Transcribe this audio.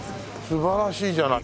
素晴らしいじゃない。